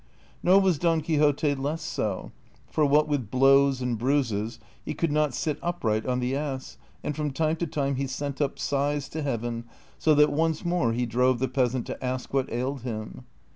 Nor was Don Quixote less so, for what with blows and bruises he could not sit upright on the ass, and from time to time he sent up sighs to heaven, so that once more he drove the peasant to ask what ailed him.